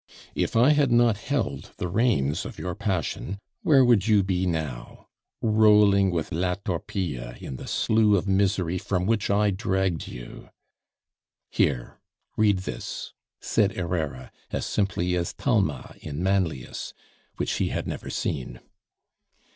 "If I had not held the reins of your passion, where would you be now? Rolling with La Torpille in the slough of misery from which I dragged you. Here, read this," said Herrera, as simply as Talma in Manlius, which he had never seen.